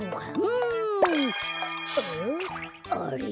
あれ？